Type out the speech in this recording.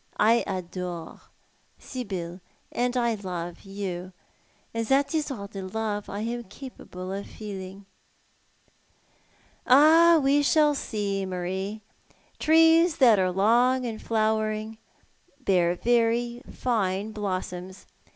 I adore Sibyl, and I love you ; and that is all the love I am capable of feeling." "Ah, we shall see, Marie. Trees that are long in flowering bear very fine blossoms.